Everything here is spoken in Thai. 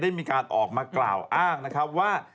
ได้มีการออกมากล่าวอ้างนะครับว่า